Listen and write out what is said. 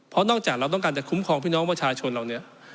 เพราะนอกจากเราต้องการจะคุ้มครองพี่น้องประชาชนเราเนี่ย